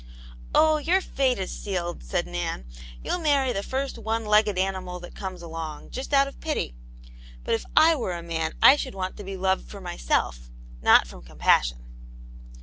"Oh, your fate is sealed," said Nan; "you'll marry the first one legged animal that comes along, just out of pity. But if r were a man I should want to be loved for myself, not from compassion."